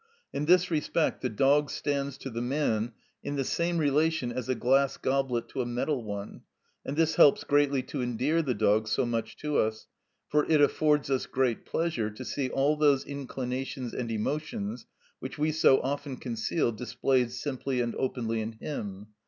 In this respect the dog stands to the man in the same relation as a glass goblet to a metal one, and this helps greatly to endear the dog so much to us, for it affords us great pleasure to see all those inclinations and emotions which we so often conceal displayed simply and openly in him.